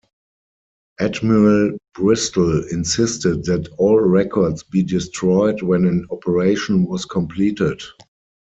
Admiral Bristol insisted that all records be destroyed when an operation was completed.